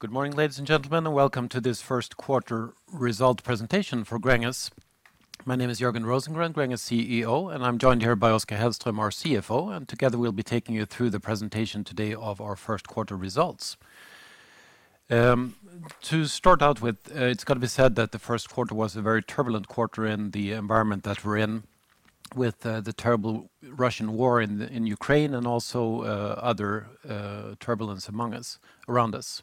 Good morning, ladies and gentlemen, and welcome to this Q1 result presentation for Gränges. My name is Jörgen Rosengren, Gränges CEO, and I'm joined here by Oskar Hellström, our CFO, and together we'll be taking you through the presentation today of our first quarter results. To start out with, it's gotta be said that the first quarter was a very turbulent quarter in the environment that we're in, with the terrible Russian war in Ukraine and also other turbulence around us.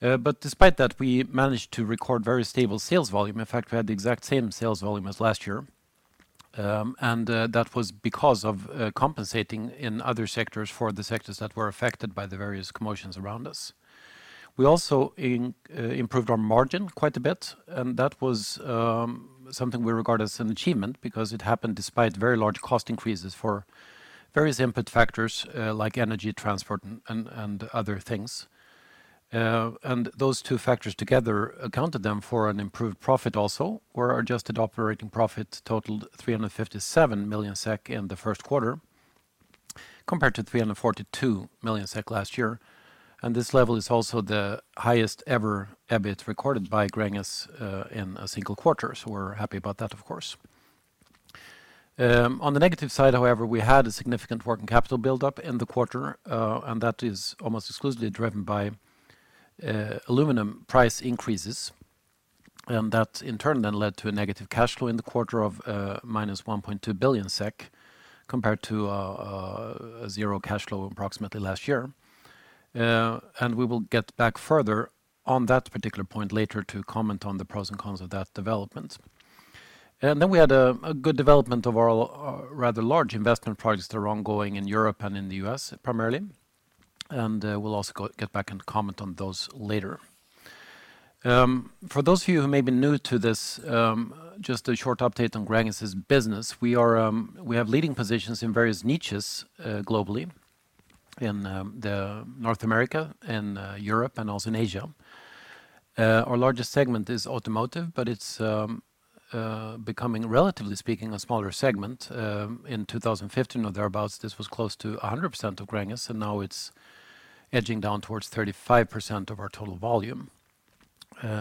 Despite that, we managed to record very stable sales volume. In fact, we had the exact same sales volume as last year, and that was because of compensating in other sectors for the sectors that were affected by the various commotions around us. We also improved our margin quite a bit, and that was something we regard as an achievement because it happened despite very large cost increases for various input factors like energy, transport, and other things. Those two factors together accounted then for an improved profit also, where our adjusted operating profit totaled 357 million SEK in the first quarter, compared to 342 million SEK last year. This level is also the highest ever EBIT recorded by Gränges in a single quarter. We're happy about that, of course. On the negative side, however, we had a significant working capital build up in the quarter, and that is almost exclusively driven by aluminum price increases, and that in turn then led to a negative cash flow in the quarter of -1.2 billion SEK compared to zero cash flow approximately last year. We will get back further on that particular point later to comment on the pros and cons of that development. Then we had a good development of our rather large investment projects that are ongoing in Europe and in the U.S. primarily, and we'll also get back and comment on those later. For those of you who may be new to this, just a short update on Gränges' business. We have leading positions in various niches globally in North America and Europe and also in Asia. Our largest segment is automotive, but it's becoming, relatively speaking, a smaller segment. In 2015 or thereabouts, this was close to 100% of Gränges, and now it's edging down towards 35% of our total volume.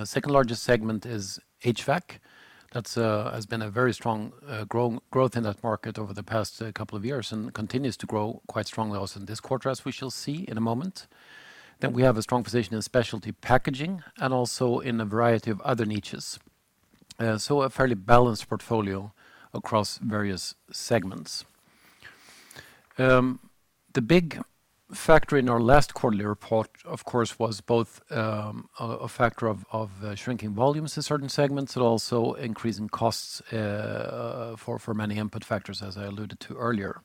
Second largest segment is HVAC. That has been a very strong growth in that market over the past couple of years and continues to grow quite strongly also in this quarter, as we shall see in a moment. We have a strong position in specialty packaging and also in a variety of other niches. A fairly balanced portfolio across various segments. The big factor in our last quarterly report, of course, was both a factor of shrinking volumes in certain segments and also increasing costs for many input factors, as I alluded to earlier.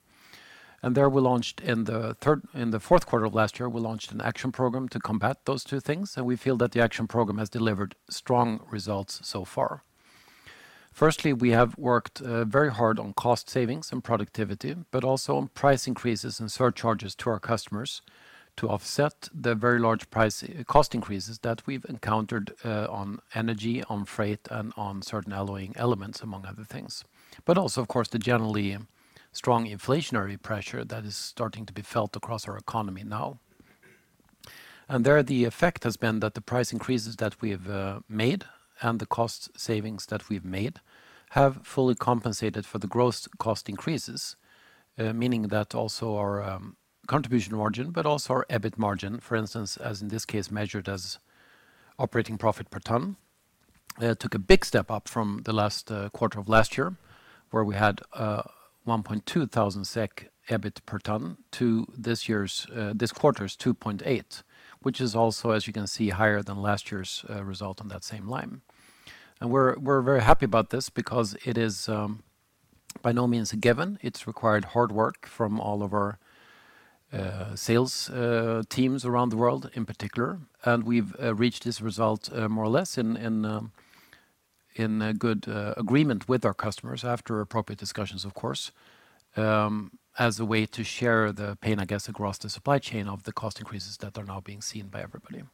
There we launched in the fourth quarter of last year an action program to combat those two things, and we feel that the action program has delivered strong results so far. Firstly, we have worked very hard on cost savings and productivity, but also on price increases and surcharges to our customers to offset the very large cost increases that we've encountered on energy, on freight, and on certain alloying elements, among other things. Also, of course, the generally strong inflationary pressure that is starting to be felt across our economy now. There, the effect has been that the price increases that we've made and the cost savings that we've made have fully compensated for the gross cost increases, meaning that also our contribution margin, but also our EBIT margin, for instance, as in this case, measured as operating profit per ton, took a big step up from the last quarter of last year, where we had 1.2 thousand SEK EBIT per ton to this year's this quarter's 2.8, which is also, as you can see, higher than last year's result on that same line. We're very happy about this because it is by no means a given. It's required hard work from all of our sales teams around the world in particular. We've reached this result more or less in a good agreement with our customers after appropriate discussions, of course, as a way to share the pain, I guess, across the supply chain of the cost increases that are now being seen by everybody.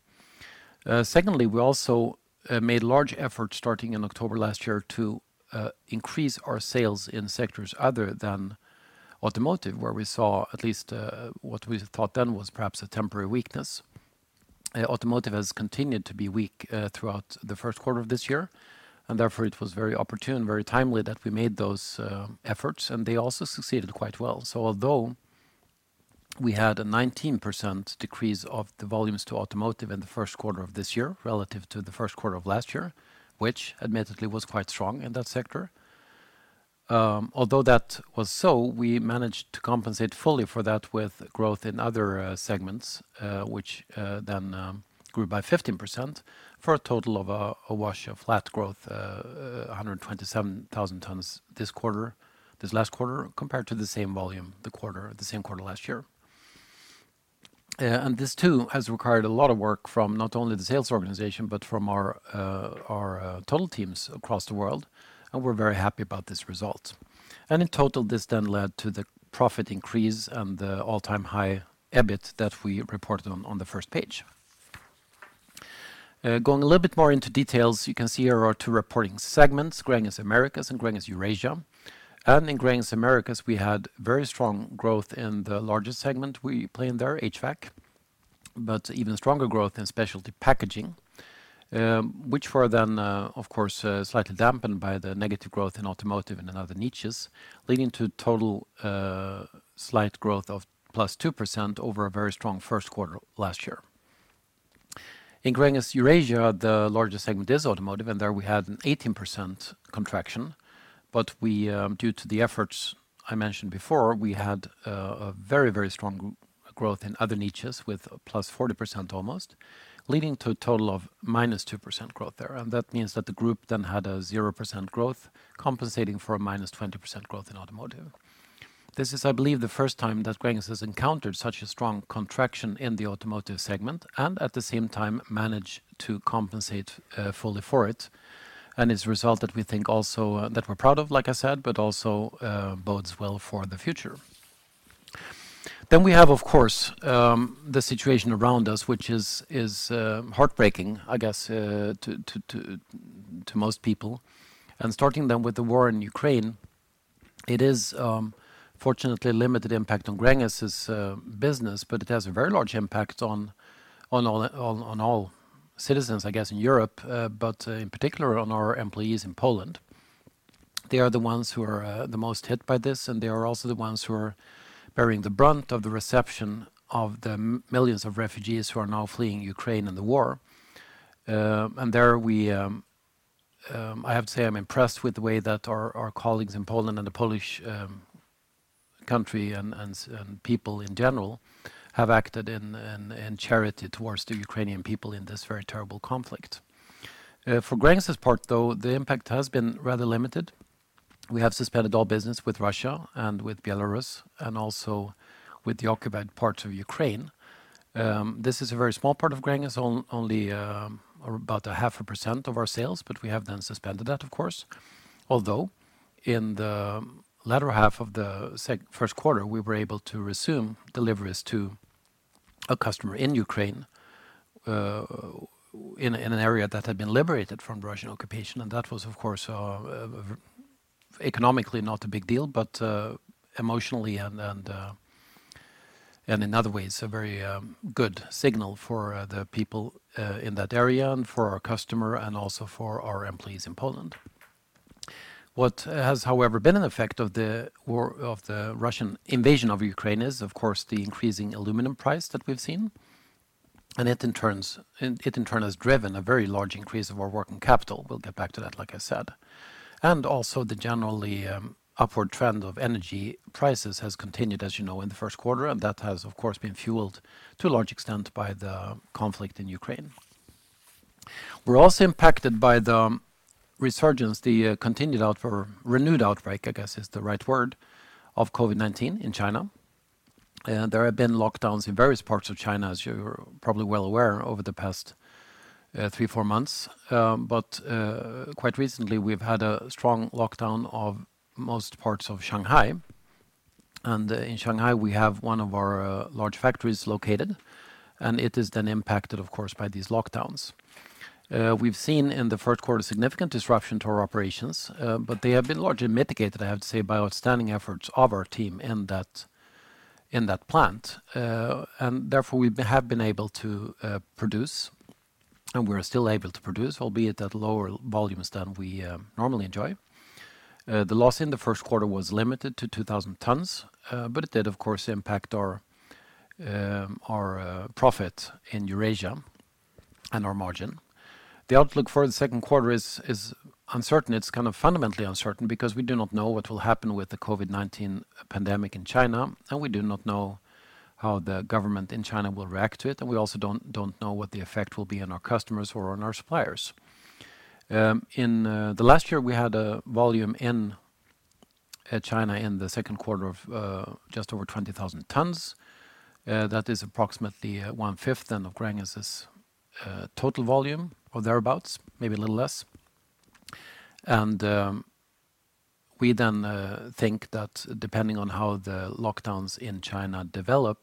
Secondly, we also made large efforts starting in October last year to increase our sales in sectors other than automotive, where we saw at least what we thought then was perhaps a temporary weakness. Automotive has continued to be weak throughout the first quarter of this year, and therefore it was very opportune, very timely that we made those efforts, and they also succeeded quite well. Although we had a 19% decrease of the volumes to automotive in the first quarter of this year relative to the first quarter of last year, which admittedly was quite strong in that sector, we managed to compensate fully for that with growth in other segments, which then grew by 15% for a total of a wash of flat growth, 127,000 tons this last quarter, compared to the same volume the same quarter last year. This too has required a lot of work from not only the sales organization, but from our total teams across the world, and we're very happy about this result. In total, this then led to the profit increase and the all-time high EBIT that we reported on the first page. Going a little bit more into details, you can see here our two reporting segments, Gränges Americas and Gränges Eurasia. In Gränges Americas, we had very strong growth in the largest segment we play in there, HVAC, but even stronger growth in specialty packaging, which were then, of course, slightly dampened by the negative growth in automotive and in other niches, leading to total, slight growth of plus 2% over a very strong first quarter last year. In Gränges Eurasia, the largest segment is automotive, and there we had an 18% contraction. We, due to the efforts I mentioned before, we had a very, very strong growth in other niches with a plus 40% almost, leading to a total of minus 2% growth there. That means that the group then had a 0% growth compensating for a minus 20% growth in automotive. This is, I believe, the first time that Gränges has encountered such a strong contraction in the automotive segment and at the same time managed to compensate fully for it. It's a result that we think also that we're proud of, like I said, but also bodes well for the future. We have, of course, the situation around us, which is heartbreaking, I guess, to most people. Starting then with the war in Ukraine, it is fortunately a limited impact on Gränges's business, but it has a very large impact on all citizens, I guess, in Europe, but in particular on our employees in Poland. They are the ones who are the most hit by this, and they are also the ones who are bearing the brunt of the reception of the millions of refugees who are now fleeing Ukraine and the war. And there, I have to say I'm impressed with the way that our colleagues in Poland and the Polish country and people in general have acted in charity towards the Ukrainian people in this very terrible conflict. For Gränges' part, though, the impact has been rather limited. We have suspended all business with Russia and with Belarus and also with the occupied parts of Ukraine. This is a very small part of Gränges, only about 0.5% of our sales, but we have then suspended that, of course. Although, in the latter half of the first quarter, we were able to resume deliveries to a customer in Ukraine, in an area that had been liberated from Russian occupation. That was, of course, economically not a big deal, but emotionally and in other ways a very good signal for the people in that area and for our customer and also for our employees in Poland. What has, however, been an effect of the Russian invasion of Ukraine is, of course, the increasing aluminum price that we've seen, and it in turn has driven a very large increase of our working capital. We'll get back to that, like I said. Also the generally upward trend of energy prices has continued, as you know, in the first quarter, and that has, of course, been fueled to a large extent by the conflict in Ukraine. We're also impacted by the resurgence, renewed outbreak, I guess is the right word, of COVID-19 in China. There have been lockdowns in various parts of China, as you're probably well aware, over the past 3-4 months. Quite recently, we've had a strong lockdown of most parts of Shanghai. In Shanghai, we have one of our large factories located, and it is then impacted, of course, by these lockdowns. We've seen in the first quarter significant disruption to our operations, but they have been largely mitigated, I have to say, by outstanding efforts of our team in that plant. We have been able to produce, and we're still able to produce, albeit at lower volumes than we normally enjoy. The loss in the Q1 was limited to 2,000 tons, but it did, of course, impact our profit in Eurasia and our margin. The outlook for the second quarter is uncertain. It's kind of fundamentally uncertain because we do not know what will happen with the COVID-19 pandemic in China, and we do not know how the government in China will react to it, and we also don't know what the effect will be on our customers or on our suppliers. In the last year, we had a volume in China in the second quarter of just over 20,000 tons. That is approximately one-fifth then of Gränges's total volume or thereabouts, maybe a little less. We then think that depending on how the lockdowns in China develop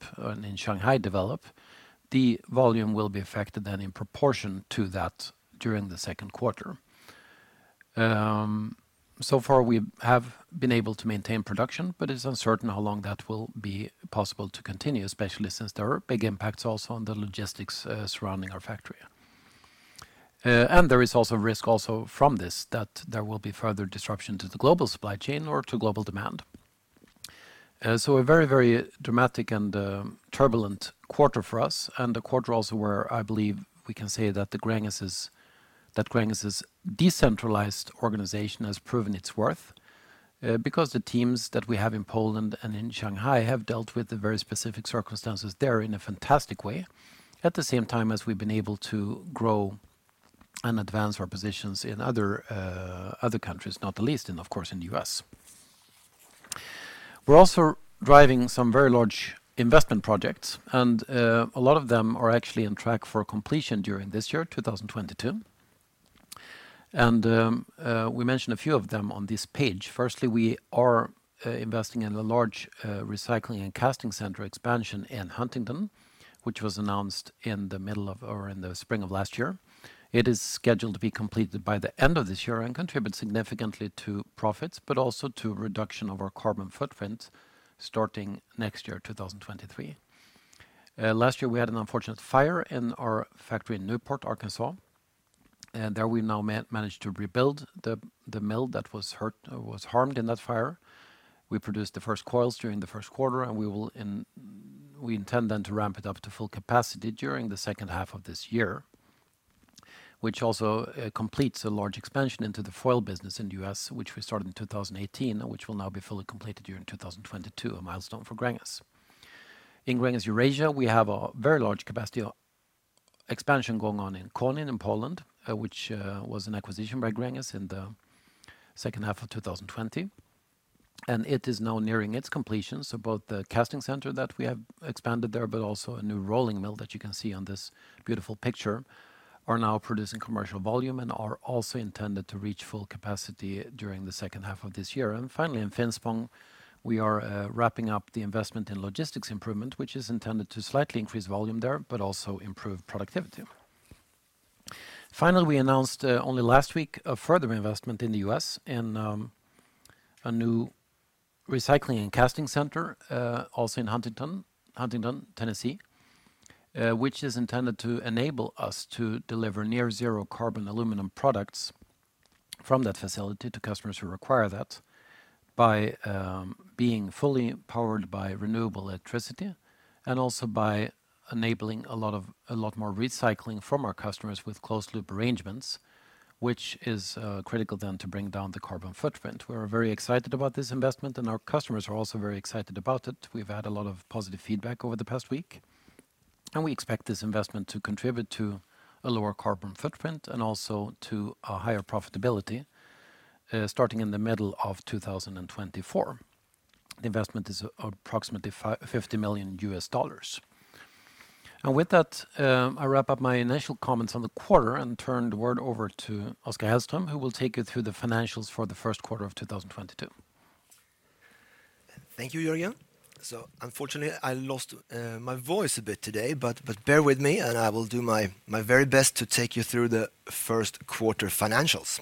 in Shanghai, the volume will be affected then in proportion to that during the Q2. So far, we have been able to maintain production, but it's uncertain how long that will be possible to continue, especially since there are big impacts also on the logistics surrounding our factory. There is also risk from this that there will be further disruption to the global supply chain or to global demand. A very, very dramatic and turbulent quarter for us and a quarter also where I believe we can say that Gränges's decentralized organization has proven its worth, because the teams that we have in Poland and in Shanghai have dealt with the very specific circumstances there in a fantastic way, at the same time as we've been able to grow and advance our positions in other countries, not the least in, of course, in the U.S. We're also driving some very large investment projects, and a lot of them are actually on track for completion during this year, 2022. We mentioned a few of them on this page. Firstly, we are investing in a large recycling and casting center expansion in Huntington, which was announced in the spring of last year. It is scheduled to be completed by the end of this year and contribute significantly to profits, but also to reduction of our carbon footprint starting next year, 2023. Last year, we had an unfortunate fire in our factory in Newport, Arkansas. There we now managed to rebuild the mill that was harmed in that fire. We produced the first coils during the first quarter, and we intend then to ramp it up to full capacity during the second half of this year, which also completes a large expansion into the foil business in the U.S., which we started in 2018, which will now be fully completed during 2022, a milestone for Gränges. In Gränges Eurasia, we have a very large capacity expansion going on in Konin in Poland, which was an acquisition by Gränges in the second half of 2020. It is now nearing its completion, so both the casting center that we have expanded there, but also a new rolling mill that you can see on this beautiful picture, are now producing commercial volume and are also intended to reach full capacity during the second half of this year. Finally, in Finspång, we are wrapping up the investment in logistics improvement, which is intended to slightly increase volume there but also improve productivity. Finally, we announced only last week a further investment in the U.S. in a new recycling and casting center also in Huntington, Tennessee, which is intended to enable us to deliver near zero carbon aluminum products from that facility to customers who require that by being fully powered by renewable electricity and also by enabling a lot more recycling from our customers with closed loop arrangements, which is critical then to bring down the carbon footprint. We're very excited about this investment, and our customers are also very excited about it. We've had a lot of positive feedback over the past week, and we expect this investment to contribute to a lower carbon footprint and also to a higher profitability, starting in the middle of 2024. The investment is approximately $50 million. With that, I wrap up my initial comments on the quarter and turn it over to Oskar Hellström, who will take you through the financials for the Q1 of 2022. Thank you, Jörgen. Unfortunately, I lost my voice a bit today, but bear with me, and I will do my very best to take you through the first quarter financials.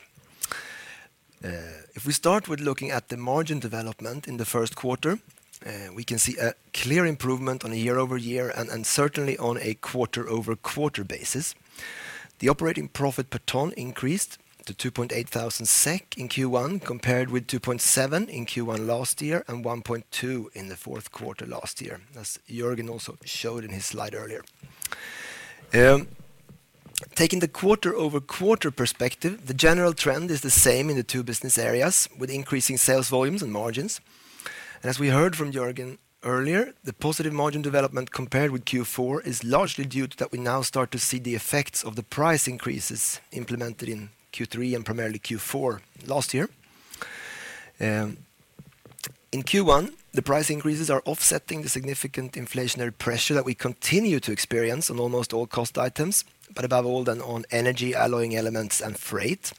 If we start with looking at the margin development in the first quarter, we can see a clear improvement on a year-over-year and certainly on a quarter-over-quarter basis. The operating profit per ton increased to 2.8 thousand SEK in Q1, compared with 2.7 in Q1 last year and 1.2 in the fourth quarter last year, as Jörgen also showed in his slide earlier. Taking the quarter-over-quarter perspective, the general trend is the same in the two business areas with increasing sales volumes and margins. As we heard from Jörgen earlier, the positive margin development compared with Q4 is largely due to that we now start to see the effects of the price increases implemented in Q3 and primarily Q4 last year. In Q1, the price increases are offsetting the significant inflationary pressure that we continue to experience on almost all cost items, but above all on energy, alloying elements, and freight.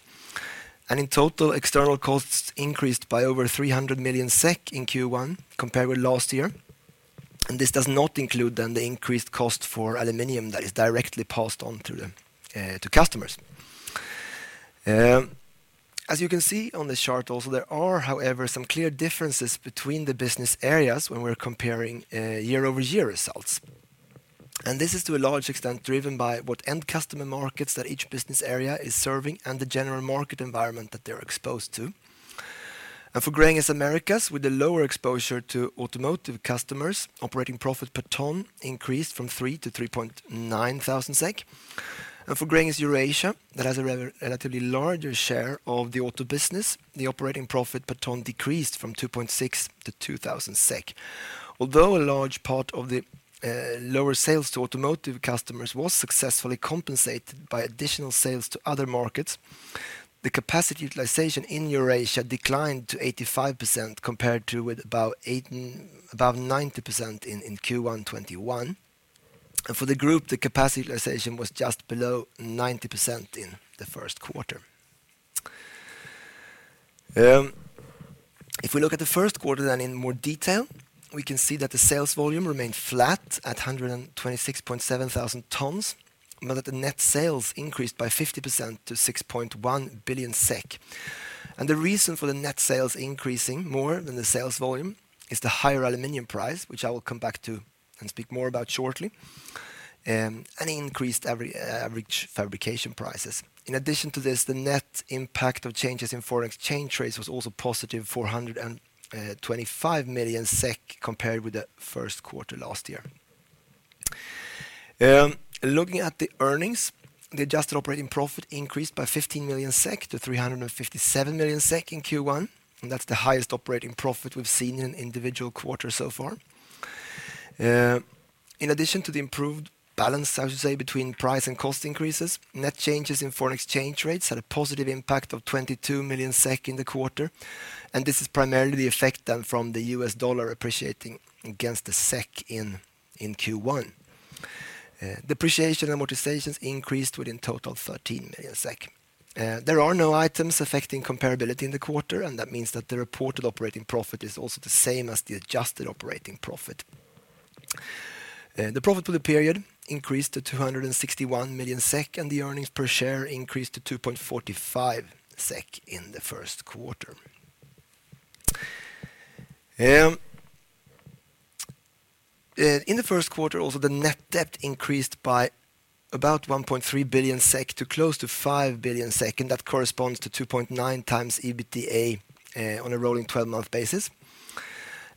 In total, external costs increased by over 300 million SEK in Q1 compared with last year. This does not include then the increased cost for aluminum that is directly passed on to the customers. As you can see on this chart also, there are, however, some clear differences between the business areas when we're comparing year-over-year results. This is to a large extent driven by what end customer markets that each business area is serving and the general market environment that they're exposed to. For Gränges Americas, with a lower exposure to automotive customers, operating profit per ton increased from 3 - 3.9 thousand SEK. For Gränges Eurasia, that has a relatively larger share of the auto business, the operating profit per ton decreased from 2.6 - 2 thousand SEK. Although a large part of the lower sales to automotive customers was successfully compensated by additional sales to other markets, the capacity utilization in Eurasia declined to 85% compared to about 90% in Q1 2021. For the group, the capacity utilization was just below 90% in the first quarter. If we look at the first quarter then in more detail, we can see that the sales volume remained flat at 126,700 tons, but that the net sales increased by 50% - 6.1 billion SEK. The reason for the net sales increasing more than the sales volume is the higher aluminum price, which I will come back to and speak more about shortly, and increased average fabrication prices. In addition to this, the net impact of changes in foreign exchange rates was also positive, 425 million SEK compared with the first quarter last year. Looking at the earnings, the adjusted operating profit increased by 15 million SEK - 357 million SEK in Q1, and that's the highest operating profit we've seen in an individual quarter so far. In addition to the improved balance, I should say, between price and cost increases, net changes in foreign exchange rates had a positive impact of 22 million SEK in the quarter, and this is primarily the effect from the US dollar appreciating against the SEK in Q1. Depreciation and amortization increased by a total of 13 million SEK. There are no items affecting comparability in the quarter, and that means that the reported operating profit is also the same as the adjusted operating profit. The profit for the period increased to 261 million SEK, and the earnings per share increased to 2.45 SEK in the first quarter. In the first quarter also, the net debt increased by about 1.3 billion SEK to close to 5 billion SEK, and that corresponds to 2.9 times EBITDA on a rolling twelve-month basis.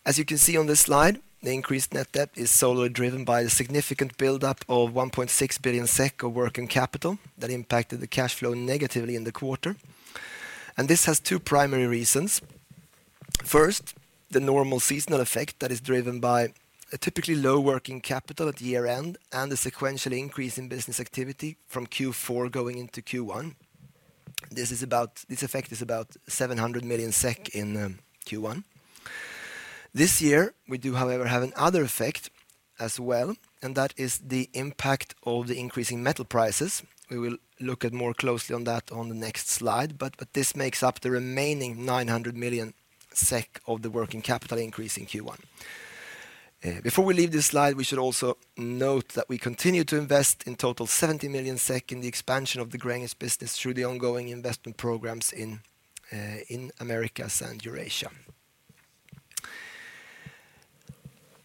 As you can see on this slide, the increased net debt is solely driven by the significant buildup of 1.6 billion SEK of working capital that impacted the cash flow negatively in the quarter. This has two primary reasons. First, the normal seasonal effect that is driven by a typically low working capital at year-end and the sequential increase in business activity from Q4 going into Q1. This effect is about 700 million SEK in Q1. This year, we do, however, have another effect as well, and that is the impact of the increasing metal prices. We will look at more closely on that on the next slide, but this makes up the remaining 900 million SEK of the working capital increase in Q1. Before we leave this slide, we should also note that we continue to invest in total 70 million SEK in the expansion of the Gränges business through the ongoing investment programs in Gränges Americas and Gränges Eurasia.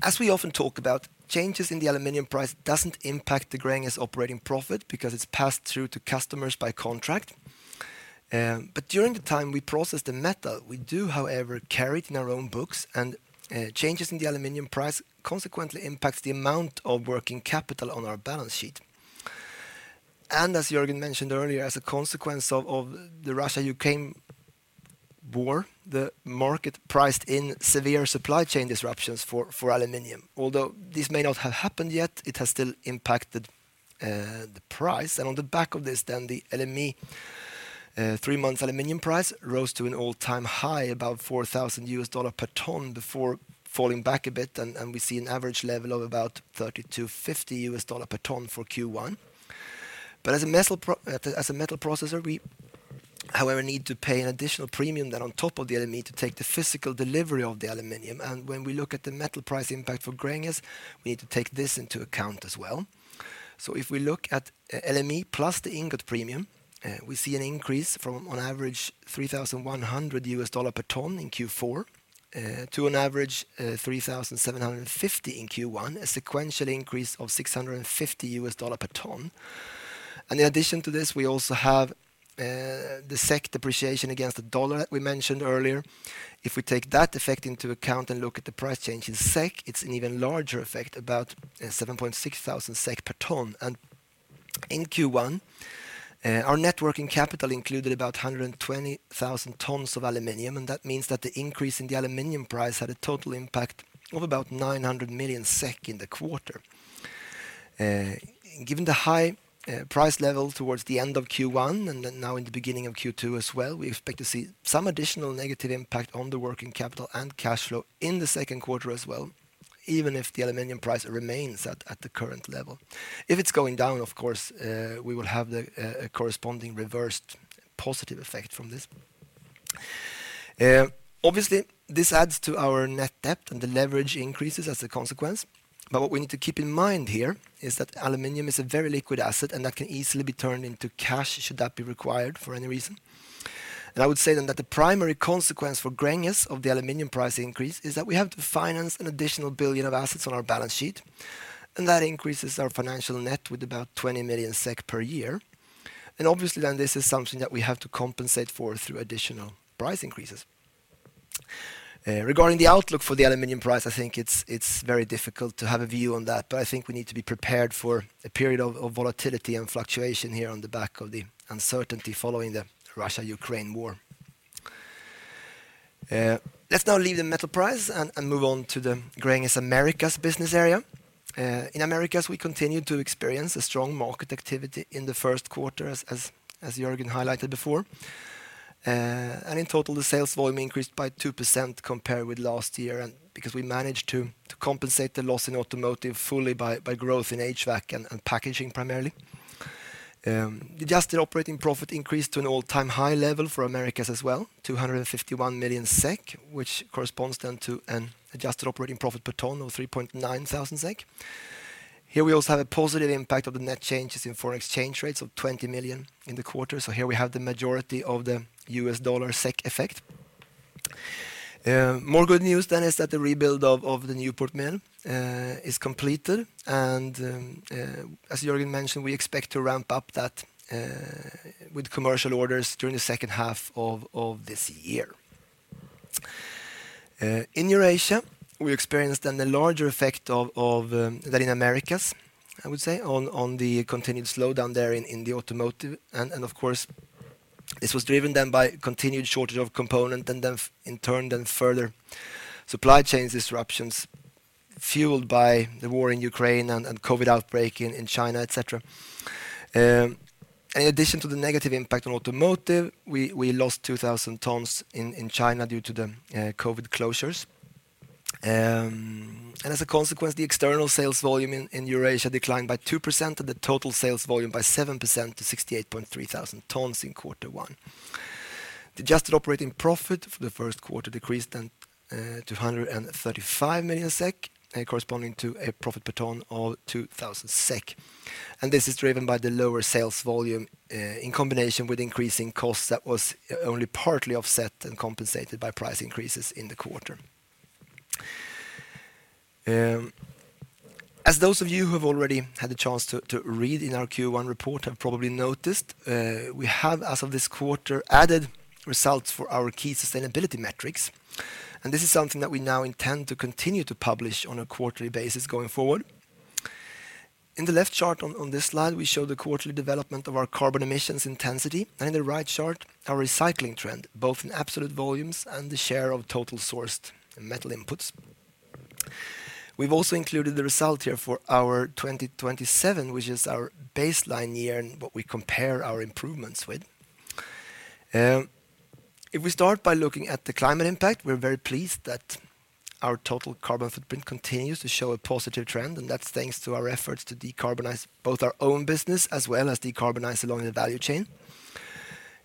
As we often talk about, changes in the aluminum price doesn't impact the Gränges operating profit because it's passed through to customers by contract. During the time we process the metal, we do, however, carry it in our own books, and changes in the aluminum price consequently impacts the amount of working capital on our balance sheet. As Jörgen mentioned earlier, as a consequence of the Russia-Ukraine war, the market priced in severe supply chain disruptions for aluminum. Although this may not have happened yet, it has still impacted the price. On the back of this, then the LME three-month aluminum price rose to an all-time high, about $4,000 per ton before falling back a bit, and we see an average level of about $30-$50 per ton for Q1. As a metal processor, we, however, need to pay an additional premium then on top of the LME to take the physical delivery of the aluminum. When we look at the metal price impact for Gränges, we need to take this into account as well. If we look at LME plus the ingot premium, we see an increase from on average $3,100 per ton in Q4 to an average 3,750 in Q1, a sequential increase of $650 per ton. In addition to this, we also have the SEK depreciation against the dollar we mentioned earlier. If we take that effect into account and look at the price change in SEK, it's an even larger effect, about 7,600 SEK per ton. In Q1, our net working capital included about 120,000 tons of aluminum, and that means that the increase in the aluminum price had a total impact of about 900 million SEK in the quarter. Given the high price level towards the end of Q1 and then now in the beginning of Q2 as well, we expect to see some additional negative impact on the working capital and cash flow in the second quarter as well, even if the aluminum price remains at the current level. If it's going down, of course, we will have a corresponding reversed positive effect from this. Obviously, this adds to our net debt, and the leverage increases as a consequence. What we need to keep in mind here is that aluminum is a very liquid asset, and that can easily be turned into cash should that be required for any reason. I would say then that the primary consequence for Gränges of the aluminum price increase is that we have to finance an additional 1 billion of assets on our balance sheet, and that increases our financial net with about 20 million SEK per year. Obviously, then this is something that we have to compensate for through additional price increases. Regarding the outlook for the aluminum price, I think it's very difficult to have a view on that. I think we need to be prepared for a period of volatility and fluctuation here on the back of the uncertainty following the Russia-Ukraine war. Let's now leave the metal price and move on to the Gränges Americas business area. In Americas, we continued to experience a strong market activity in the Q1 as Jörgen highlighted before. In total, the sales volume increased by 2% compared with last year because we managed to compensate the loss in automotive fully by growth in HVAC and packaging primarily. The adjusted operating profit increased to an all-time high level for Americas as well, 251 million SEK, which corresponds then to an adjusted operating profit per ton of 3.9 thousand SEK. Here we also have a positive impact of the net changes in foreign exchange rates of 20 million in the quarter. Here we have the majority of the U.S. dollar SEK effect. More good news then is that the rebuild of the Newport Mill is completed, and as Jörgen mentioned, we expect to ramp up that with commercial orders during the H2 of this year. In Eurasia, we experienced a larger effect than in Americas, I would say, on the continued slowdown there in the automotive. Of course, this was driven by continued shortage of components and in turn further supply chain disruptions fueled by the war in Ukraine and COVID outbreak in China, et cetera. In addition to the negative impact on automotive, we lost 2,000 tons in China due to the COVID closures. As a consequence, the external sales volume in Eurasia declined by 2%, and the total sales volume by 7% to 68,300 tons in quarter one. The adjusted operating profit for the first quarter decreased 235 million SEK, corresponding to a profit per ton of 2,000 SEK. This is driven by the lower sales volume, in combination with increasing costs that was only partly offset and compensated by price increases in the quarter. As those of you who have already had the chance to read in our Q1 report have probably noticed, we have, as of this quarter, added results for our key sustainability metrics, and this is something that we now intend to continue to publish on a quarterly basis going forward. In the left chart on this slide, we show the quarterly development of our carbon emissions intensity, and in the right chart, our recycling trend, both in absolute volumes and the share of total sourced metal inputs. We've also included the result here for our 2027, which is our baseline year and what we compare our improvements with. If we start by looking at the climate impact, we're very pleased that our total carbon footprint continues to show a positive trend, and that's thanks to our efforts to decarbonize both our own business as well as decarbonize along the value chain.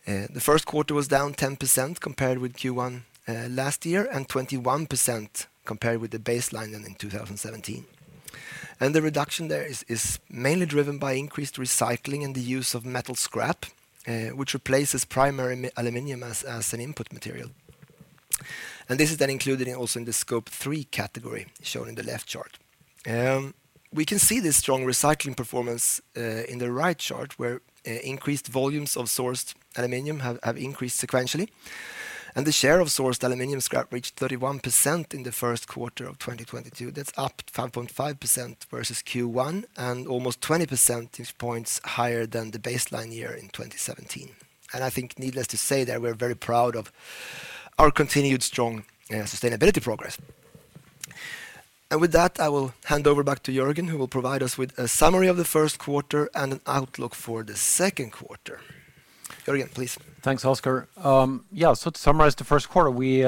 The Q1 was down 10% compared with Q1 last year, and 21% compared with the baseline then in 2017. The reduction there is mainly driven by increased recycling and the use of metal scrap, which replaces primary aluminum as an input material. This is then included in also in the Scope three category shown in the left chart. We can see this strong recycling performance in the right chart, where increased volumes of sourced aluminum have increased sequentially, and the share of sourced aluminum scrap reached 31% in the first quarter of 2022. That's up 5.5% versus Q1, and almost 20 percentage points higher than the baseline year in 2017. I think needless to say that we're very proud of our continued strong sustainability progress. With that, I will hand over back to Jörgen, who will provide us with a summary of the Q1 and an outlook for the Q2. Jörgen, please. Thanks, Oskar. To summarize the first quarter, we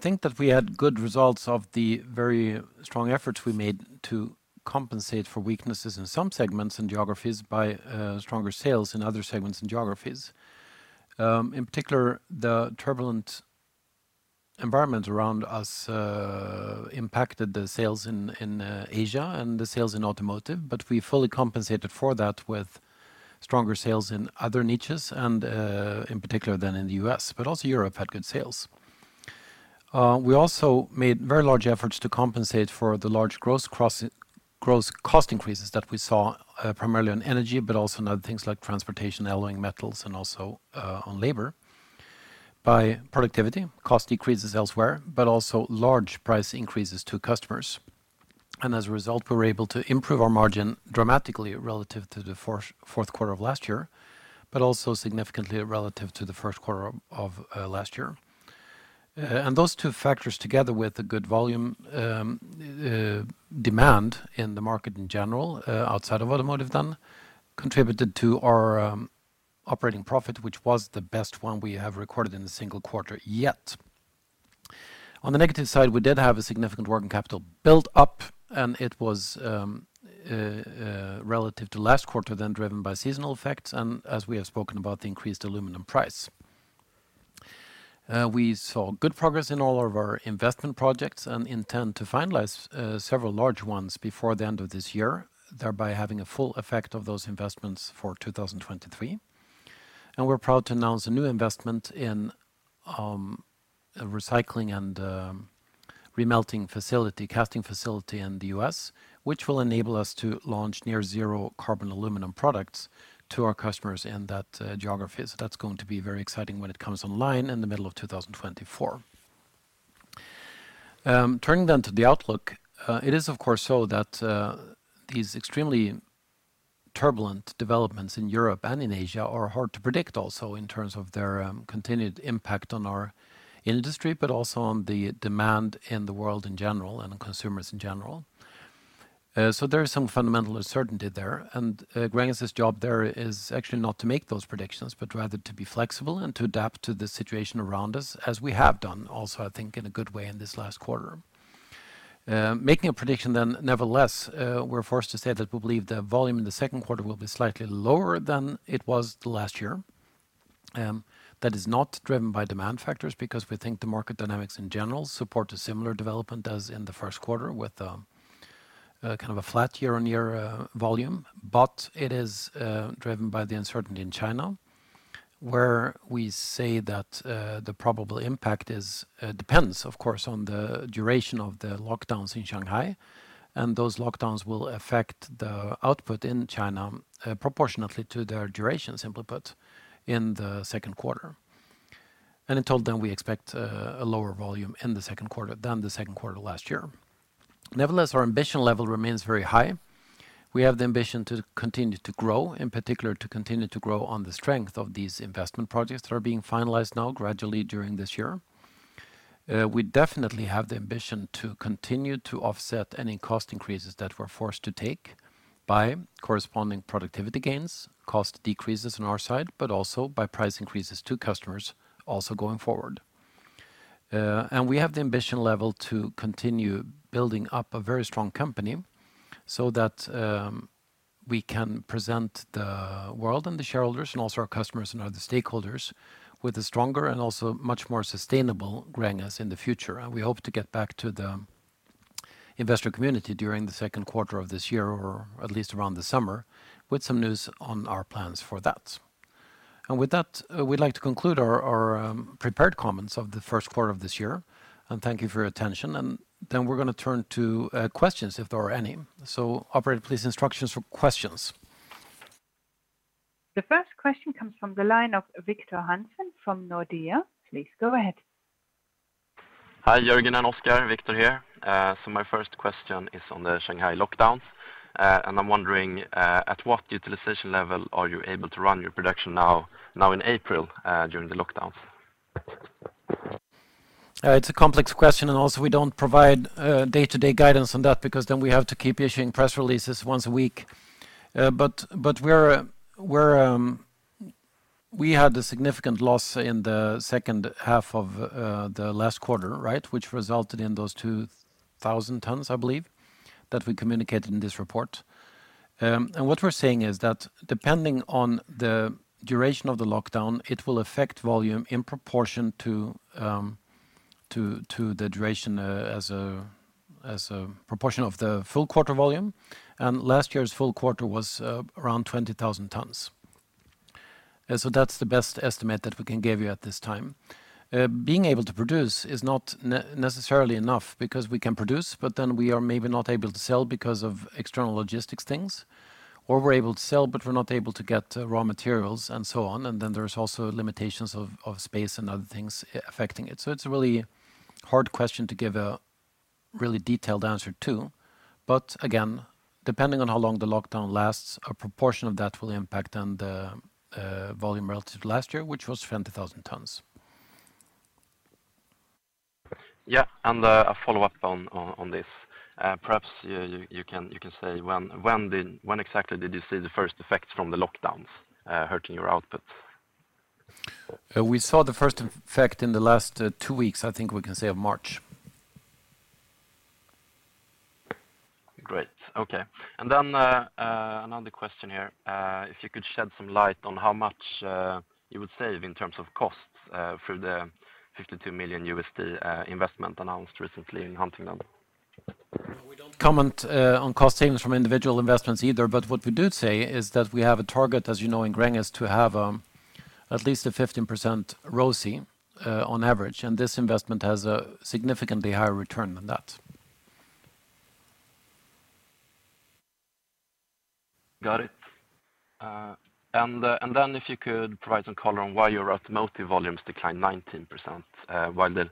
think that we had good results of the very strong efforts we made to compensate for weaknesses in some segments and geographies by stronger sales in other segments and geographies. In particular, the turbulent environment around us impacted the sales in Asia and the sales in automotive, but we fully compensated for that with stronger sales in other niches and in particular that in the US, but also Europe had good sales. We also made very large efforts to compensate for the large gross cost increases that we saw, primarily on energy, but also in other things like transportation, alloying metals, and also on labor by productivity cost decreases elsewhere, but also large price increases to customers. As a result, we were able to improve our margin dramatically relative to the fourth quarter of last year, but also significantly relative to the Q1 of last year. Those two factors, together with the good volume demand in the market in general outside of automotive then, contributed to our operating profit, which was the best one we have recorded in a single quarter yet. On the negative side, we did have a significant working capital build-up, and it was relative to last quarter then driven by seasonal effects and, as we have spoken about, the increased aluminum price. We saw good progress in all of our investment projects and intend to finalize several large ones before the end of this year, thereby having a full effect of those investments for 2023. We're proud to announce a new investment in a recycling and remelting facility, casting facility in the U.S., which will enable us to launch near zero carbon aluminum products to our customers in that geography. That's going to be very exciting when it comes online in the middle of 2024. Turning to the outlook, it is of course so that these extremely turbulent developments in Europe and in Asia are hard to predict also in terms of their continued impact on our industry, but also on the demand in the world in general and consumers in general. There is some fundamental uncertainty there, and Gränges' job there is actually not to make those predictions, but rather to be flexible and to adapt to the situation around us, as we have done also, I think, in a good way in this last quarter. Making a prediction then, nevertheless, we're forced to say that we believe the volume in the second quarter will be slightly lower than it was the last year. That is not driven by demand factors because we think the market dynamics in general support a similar development as in the first quarter with kind of a flat year-on-year volume. It is driven by the uncertainty in China, where we say that the probable impact depends, of course, on the duration of the lockdowns in Shanghai, and those lockdowns will affect the output in China proportionately to their duration, simply put, in the Q2. In total then, we expect a lower volume in the Q2 than the Q2 last year. Nevertheless, our ambition level remains very high. We have the ambition to continue to grow, in particular, to continue to grow on the strength of these investment projects that are being finalized now gradually during this year. We definitely have the ambition to continue to offset any cost increases that we're forced to take by corresponding productivity gains, cost decreases on our side, but also by price increases to customers also going forward. We have the ambition level to continue building up a very strong company so that we can present the world and the shareholders and also our customers and other stakeholders with a stronger and also much more sustainable Gränges in the future. We hope to get back to the investor community during the second quarter of this year, or at least around the summer, with some news on our plans for that. With that, we'd like to conclude our prepared comments of the first quarter of this year, and thank you for your attention. Then we're gonna turn to questions if there are any. Operator, please instructions for questions. The first question comes from the line of Victor Hansen from Nordea. Please go ahead. Hi, Jörgen and Oskar, Victor here. My first question is on the Shanghai lockdowns. I'm wondering, at what utilization level are you able to run your production now in April during the lockdowns? It's a complex question, and also we don't provide day-to-day guidance on that because then we have to keep issuing press releases once a week. We had a significant loss in the second half of the last quarter, right? Which resulted in those 2,000 tons, I believe, that we communicated in this report. What we're saying is that depending on the duration of the lockdown, it will affect volume in proportion to the duration as a proportion of the full quarter volume. Last year's full quarter was around 20,000 tons. That's the best estimate that we can give you at this time. Being able to produce is not necessarily enough because we can produce, but then we are maybe not able to sell because of external logistics things, or we're able to sell, but we're not able to get raw materials and so on. There's also limitations of space and other things affecting it. It's a really hard question to give a really detailed answer to. Depending on how long the lockdown lasts, a proportion of that will impact on the volume relative to last year, which was 20,000 tons. Yeah, a follow-up on this. Perhaps you can say when exactly did you see the first effects from the lockdowns hurting your output? We saw the first effect in the last two weeks, I think we can say, of March. Great. Okay. Another question here. If you could shed some light on how much you would save in terms of costs for the $52 million investment announced recently in Huntington? We don't comment on cost savings from individual investments either, but what we do say is that we have a target, as you know, in Gränges, to have at least 15% ROCE on average, and this investment has a significantly higher return than that. Got it. If you could provide some color on why your automotive volumes declined 19%, while the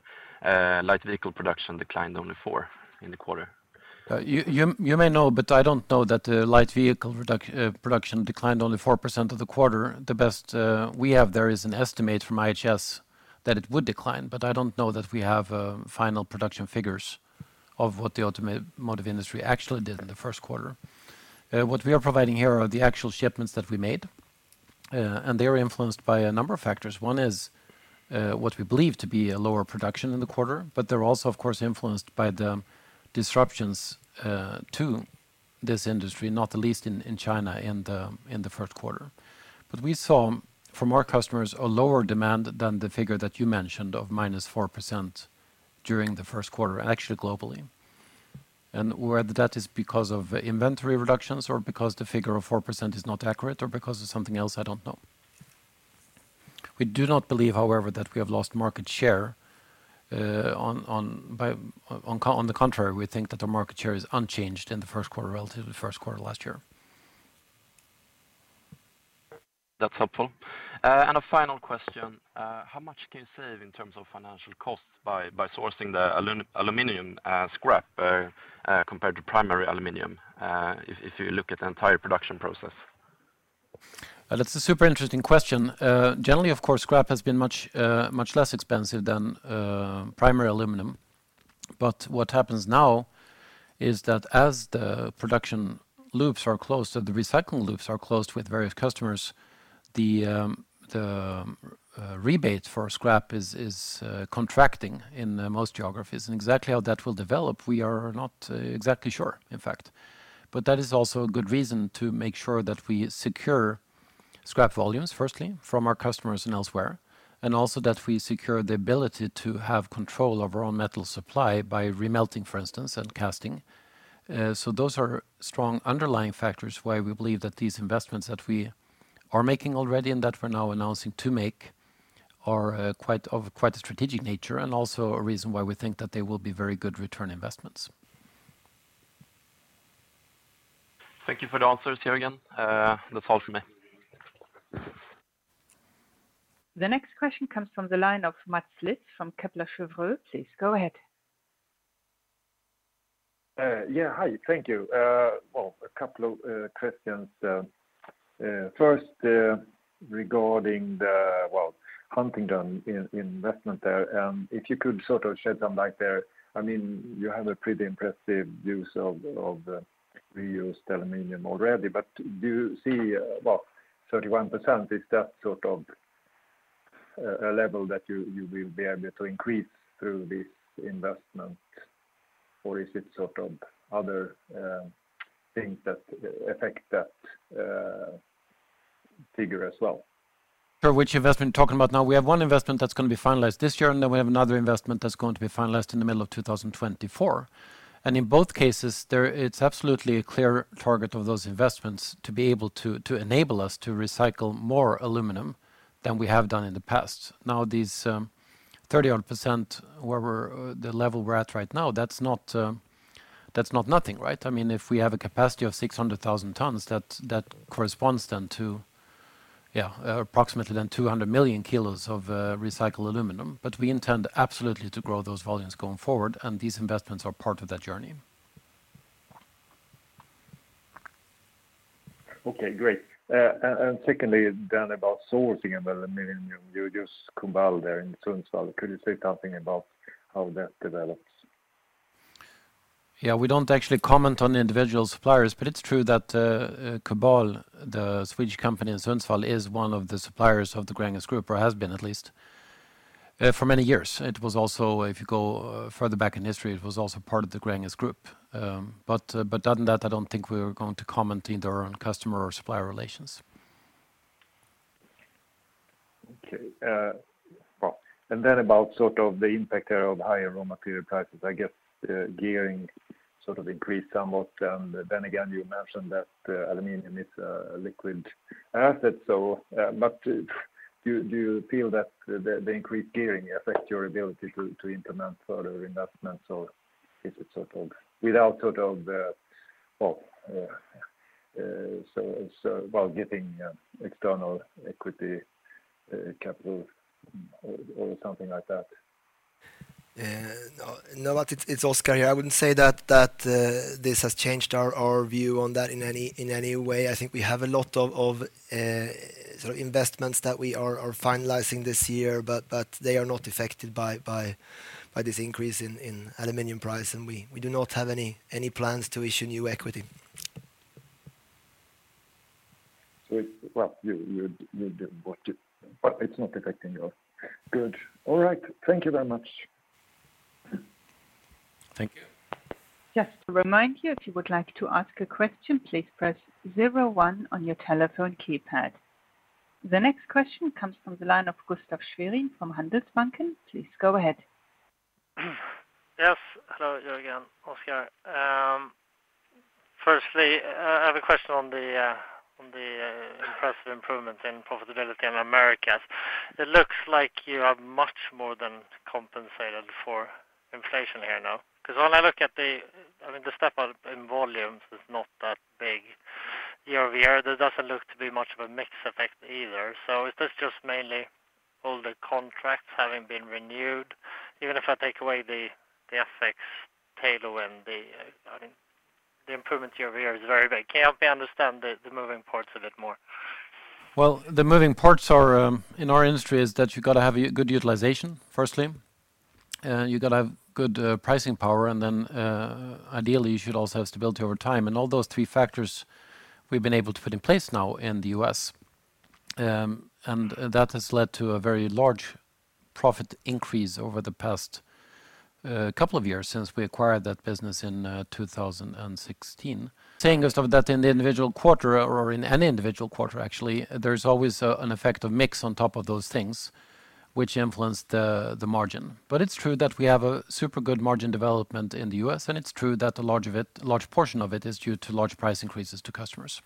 light vehicle production declined only 4% in the quarter. You may know, but I don't know that the light vehicle production declined only 4% of the quarter. The best we have there is an estimate from IHS that it would decline, but I don't know that we have final production figures of what the automotive industry actually did in the Q1. What we are providing here are the actual shipments that we made, and they are influenced by a number of factors. One is what we believe to be a lower production in the quarter, but they're also of course influenced by the disruptions to this industry, not the least in China in the Q1. We saw from our customers a lower demand than the figure that you mentioned of -4% during the Q1, and actually globally. Whether that is because of inventory reductions or because the figure of 4% is not accurate or because of something else, I don't know. We do not believe, however, that we have lost market share on the contrary, we think that our market share is unchanged in the first quarter relative to the Q1 last year. That's helpful. A final question. How much can you save in terms of financial costs by sourcing the aluminum scrap compared to primary aluminum, if you look at the entire production process? That's a super interesting question. Generally, of course, scrap has been much, much less expensive than primary aluminum. What happens now is that as the production loops are closed, the recycling loops are closed with various customers, the rebates for scrap is contracting in most geographies. Exactly how that will develop, we are not exactly sure, in fact. That is also a good reason to make sure that we secure scrap volumes, firstly, from our customers and elsewhere, and also that we secure the ability to have control of our own metal supply by remelting, for instance, and casting. Those are strong underlying factors why we believe that these investments that we are making already and that we're now announcing to make are quite a strategic nature and also a reason why we think that they will be very good return investments. Thank you for the answers, Jörgen. That's all from me. The next question comes from the line of Mats Liss from Kepler Cheuvreux. Please go ahead. Yeah. Hi. Thank you. Well, a couple of questions. First, regarding the Huntington investment there, if you could sort of shed some light there. I mean, you have a pretty impressive use of reused aluminum already, but do you see, well, 31%, is that sort of a level that you will be able to increase through this investment or is it sort of other things that affect that figure as well? Sure. Which investment are you talking about now? We have one investment that's gonna be finalized this year, and then we have another investment that's going to be finalized in the middle of 2024. In both cases, it's absolutely a clear target of those investments to be able to enable us to recycle more aluminum than we have done in the past. Now, these 30-odd%, the level we're at right now, that's not nothing, right? I mean, if we have a capacity of 600,000 tons, that corresponds then to, yeah, approximately then 200 million kg of recycled aluminum. We intend absolutely to grow those volumes going forward, and these investments are part of that journey. Okay, great. Secondly then about sourcing aluminum. You use Kubal there in Sundsvall. Could you say something about how that develops? Yeah, we don't actually comment on individual suppliers, but it's true that Kubal, the Swedish company in Sundsvall, is one of the suppliers of the Gränges group, or has been at least for many years. It was also, if you go further back in history, it was also part of the Gränges group. Other than that, I don't think we are going to comment either on customer or supplier relations. Okay. Well, about sort of the impact thereof higher raw material prices. I guess, gearing sort of increased somewhat, and then again, you mentioned that, aluminum is a liquid asset. But do you feel that the increased gearing affect your ability to implement further investments or is it sort of without sort of, well, so while getting external equity capital or something like that? No, Novat, it's Oskar here. I wouldn't say that this has changed our view on that in any way. I think we have a lot of sort of investments that we are finalizing this year, but they are not affected by this increase in aluminum price, and we do not have any plans to issue new equity. Well, you, it's not affecting your. Good. All right. Thank you very much. Thank you. Just to remind you, if you would like to ask a question, please press zero-one on your telephone keypad. The next question comes from the line of Gustaf Schwerin from Handelsbanken. Please go ahead. Yes. Hello, Jörgen, Oskar. Firstly, I have a question on the impressive improvement in profitability in Americas. It looks like you have much more than compensated for inflation here now. 'Cause when I look at the, I mean, the step up in volumes is not that big year-over-year. There doesn't look to be much of a mix effect either. So is this just mainly all the contracts having been renewed? Even if I take away the FX tailwind, I mean, the improvement year-over-year is very big. Can you help me understand the moving parts a little more? Well, the moving parts are in our industry is that you've gotta have good utilization, firstly. You gotta have good pricing power, and then, ideally, you should also have stability over time. All those three factors we've been able to put in place now in the U.S., and that has led to a very large profit increase over the past couple of years since we acquired that business in 2016. Setting aside that in the individual quarter or in any individual quarter, actually, there's always an effect of mix on top of those things which influence the margin. It's true that we have a super good margin development in the U.S., and it's true that a large portion of it is due to large price increases to customers.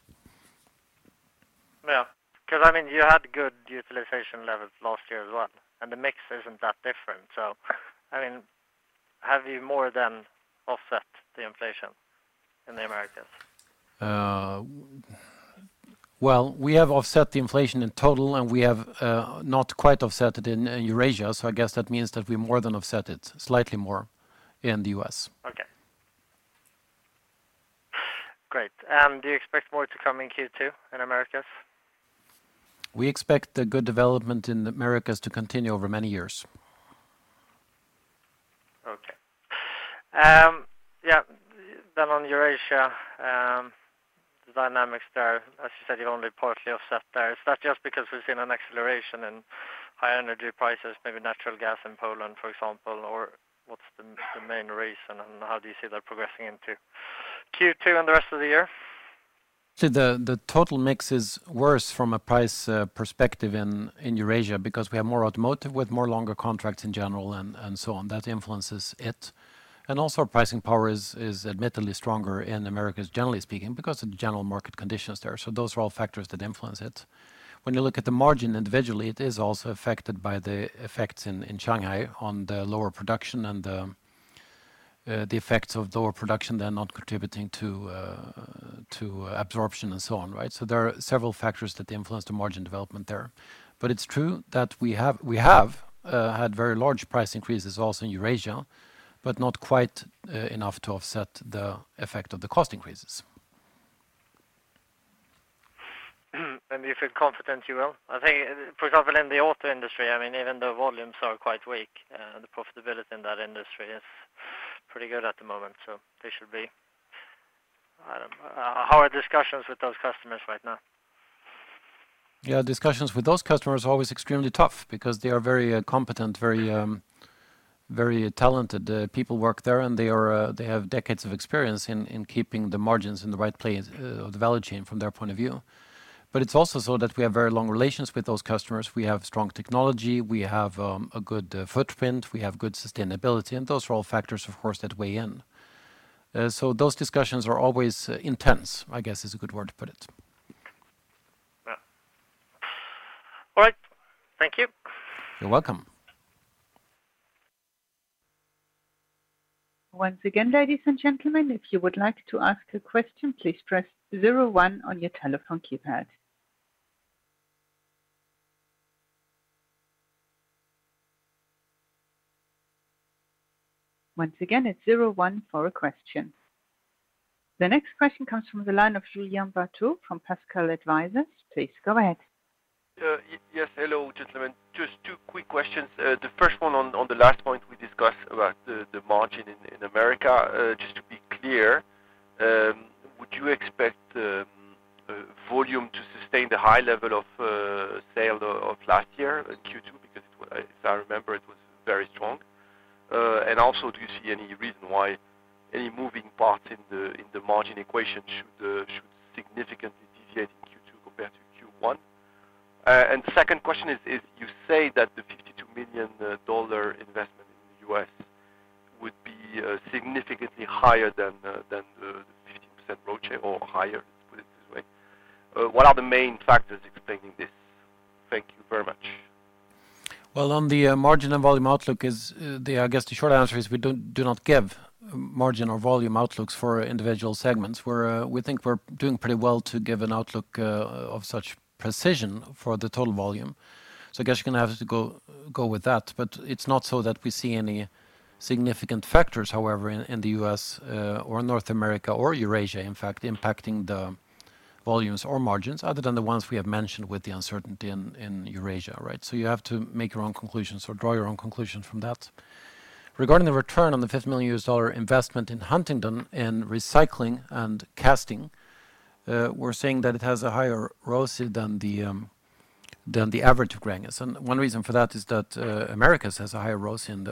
Yeah. 'Cause I mean, you had good utilization levels last year as well, and the mix isn't that different. I mean, have you more than offset the inflation in the Americas? Well, we have offset the inflation in total, and we have not quite offset it in Eurasia, so I guess that means that we more than offset it, slightly more in the U.S. Okay. Great. Do you expect more to come in Q2 in Americas? We expect the good development in the Americas to continue over many years. Okay. Yeah, on Eurasia, the dynamics there, as you said, you're only partly offset there. Is that just because we've seen an acceleration in high energy prices, maybe natural gas in Poland, for example? Or what's the main reason, and how do you see that progressing into Q2 and the rest of the year? The total mix is worse from a price perspective in Eurasia because we have more automotive with more longer contracts in general and so on. That influences it. Also pricing power is admittedly stronger in the Americas, generally speaking, because of the general market conditions there. Those are all factors that influence it. When you look at the margin individually, it is also affected by the effects in Shanghai on the lower production and the effects of lower production. They're not contributing to absorption and so on, right? There are several factors that influence the margin development there. It's true that we have had very large price increases also in Eurasia, but not quite enough to offset the effect of the cost increases. I'm confident you will. I think, for example, in the auto industry, I mean, even the volumes are quite weak. The profitability in that industry is pretty good at the moment, so they should be. How are discussions with those customers right now? Yeah, discussions with those customers are always extremely tough because they are very competent, very talented people work there, and they have decades of experience in keeping the margins in the right place, the value chain from their point of view. It's also so that we have very long relations with those customers. We have strong technology, we have a good footprint, we have good sustainability, and those are all factors, of course, that weigh in. Those discussions are always intense, I guess, is a good word to put it. Yeah. All right. Thank you. You're welcome. Once again, ladies and gentlemen, if you would like to ask a question, please press zero one on your telephone keypad. Once again, it's zero one for a question. The next question comes from the line of Anders Roslund from Pareto Securities. Please go ahead. Yes, hello, gentlemen. Just two quick questions. The first one on the last point we discussed about the margin in America. Just to be clear, would you expect the volume to sustain the high level of sales of last year at Q2? Because if I remember, it was very strong. Also do you see any reason why any moving part in the margin equation should significantly deviate in Q2 compared to Q1? Second question is, as you say that the $52 million investment in the U.S. would be significantly higher than the 50% ROCE or higher, let's put it this way. What are the main factors explaining this? Thank you very much. Well, on the margin and volume outlook is, I guess the short answer is we do not give margin or volume outlooks for individual segments. We think we're doing pretty well to give an outlook of such precision for the total volume. I guess you're gonna have to go with that. It's not so that we see any significant factors, however, in the U.S. or North America or Eurasia, in fact, impacting the volumes or margins other than the ones we have mentioned with the uncertainty in Eurasia, right? You have to make your own conclusions or draw your own conclusions from that. Regarding the return on the $50 million investment in Huntington in recycling and casting, we're saying that it has a higher ROCE than the average of Gränges. One reason for that is that Americas has a higher ROCE than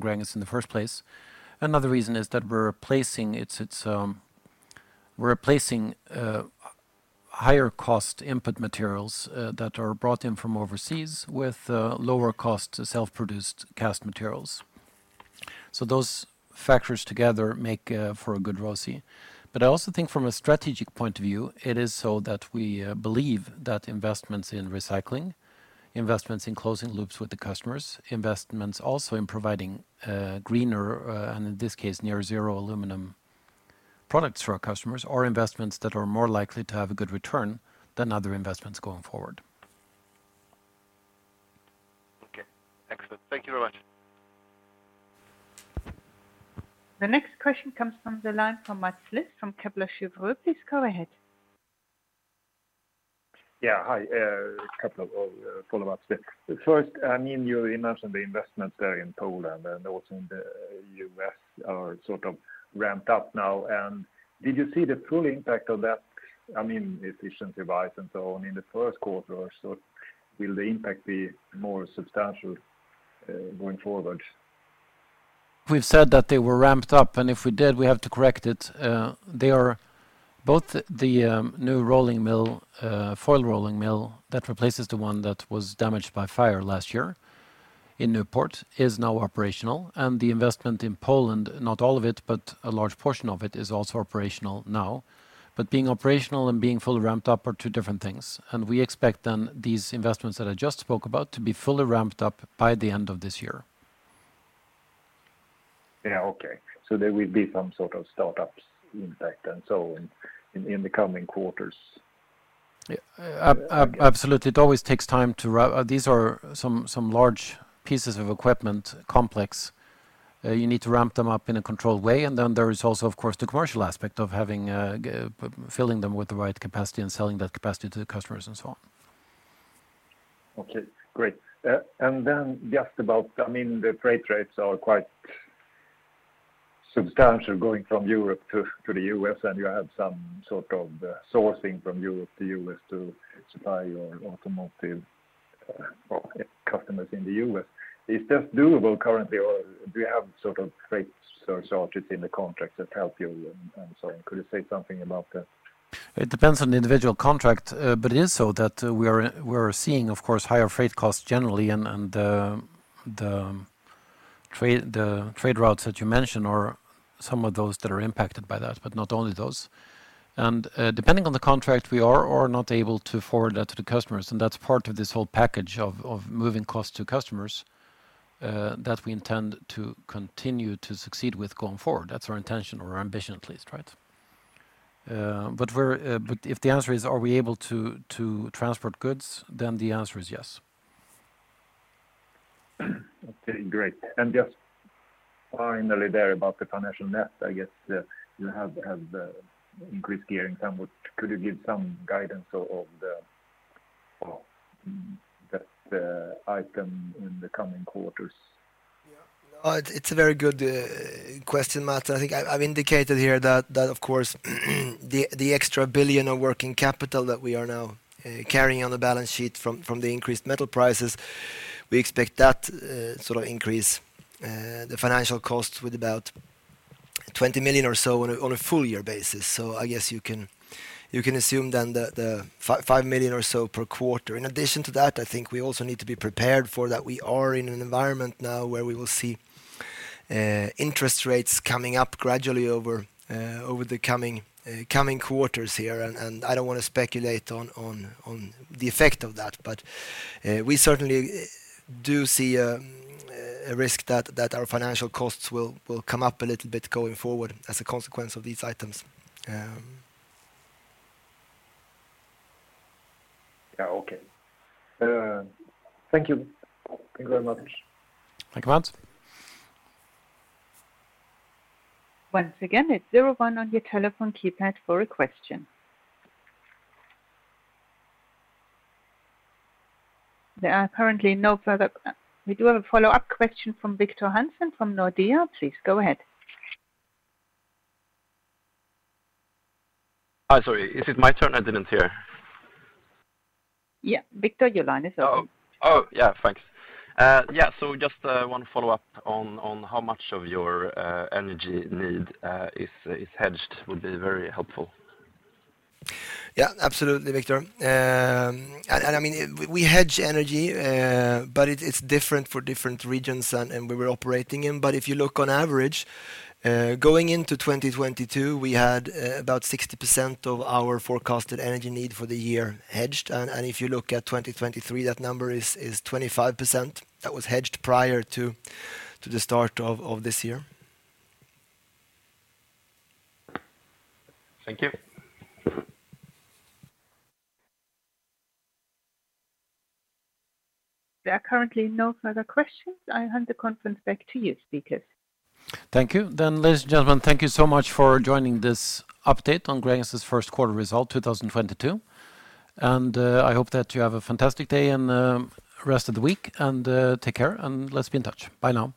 Gränges in the first place. Another reason is that we're replacing higher cost input materials that are brought in from overseas with lower cost self-produced cast materials. Those factors together make for a good ROCE. I also think from a strategic point of view, it is so that we believe that investments in recycling, investments in closing loops with the customers, investments also in providing greener and in this case, near zero aluminum products for our customers or investments that are more likely to have a good return than other investments going forward. Okay. Excellent. Thank you very much. The next question comes from the line from Mats Liss from Kepler Cheuvreux. Please go ahead. Yeah. Hi, a couple of follow-ups there. First, I mean, you mentioned the investments there in Poland and also in the U.S. are sort of ramped up now. Did you see the full impact of that, I mean, efficiency-wise and so on in the Q1 or so? Will the impact be more substantial, going forward? We've said that they were ramped up, and if we did, we have to correct it. They are both the new rolling mill, foil rolling mill that replaces the one that was damaged by fire last year in Newport is now operational. The investment in Poland, not all of it, but a large portion of it is also operational now. Being operational and being fully ramped up are two different things. We expect then these investments that I just spoke about to be fully ramped up by the end of this year. Yeah. Okay. There will be some sort of startups impact and so in the coming quarters. Absolutely. It always takes time. These are some large, complex pieces of equipment. You need to ramp them up in a controlled way. There is also, of course, the commercial aspect of filling them with the right capacity and selling that capacity to the customers and so on. Okay, great. Then just about, I mean, the freight rates are quite substantial going from Europe to the U.S., and you have some sort of sourcing from Europe to U.S. to supply your automotive customers in the U.S. Is that doable currently, or do you have sort of freight surcharges in the contracts that help you and so on? Could you say something about that? It depends on the individual contract, but it is so that we are seeing, of course, higher freight costs generally and the trade routes that you mentioned are some of those that are impacted by that, but not only those. Depending on the contract, we are or are not able to forward that to the customers, and that's part of this whole package of moving costs to customers that we intend to continue to succeed with going forward. That's our intention or our ambition, at least, right? If the answer is are we able to transport goods, then the answer is yes. Okay, great. Just finally there about the financial net, I guess, you have increased gearing somewhat. Could you give some guidance of the that item in the coming quarters? It's a very good question, Mats. I think I've indicated here that of course the 1 billion of working capital that we are now carrying on the balance sheet from the increased metal prices, we expect that sort of increase the financial costs with about 20 million or so on a full year basis. I guess you can assume then the five million or so per quarter. In addition to that, I think we also need to be prepared for that we are in an environment now where we will see interest rates coming up gradually over the coming quarters here. I don't wanna speculate on the effect of that, but we certainly do see a risk that our financial costs will come up a little bit going forward as a consequence of these items. Yeah. Okay. Thank you. Thank you very much. Thank you, Mats. Once again, it's zero one on your telephone keypad for a question. There are currently no further questions. We do have a follow-up question from Victor Hansen from Nordea. Please go ahead. Hi. Sorry, is it my turn? I didn't hear. Yeah. Victor, your line is on. Yeah. Thanks. Yeah. Just one follow-up on how much of your energy need is hedged would be very helpful. Yeah, absolutely, Victor. I mean, we hedge energy, but it's different for different regions and we were operating in. If you look on average, going into 2022, we had about 60% of our forecasted energy need for the year hedged. If you look at 2023, that number is 25% that was hedged prior to the start of this year. Thank you. There are currently no further questions. I hand the conference back to you, speakers. Thank you. Ladies and gentlemen, thank you so much for joining this update on Gränges's first quarter result 2022. I hope that you have a fantastic day and rest of the week and take care and let's be in touch. Bye now.